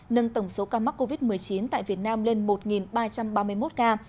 nâng tổng số ca mắc covid một mươi chín tại việt nam lên một ba trăm ba mươi một ca